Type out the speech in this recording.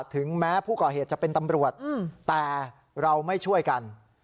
ถึงแม้ผู้ก่อเหตุจะเป็นตำรวจแต่เราไม่ช่วยกัน